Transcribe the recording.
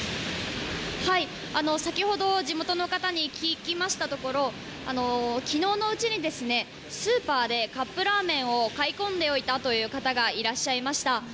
先ほど地元の方に聞きましたところ、昨日のうちにスーパーでカップラーメンを買い込んでおいたという方がいらっしゃいました。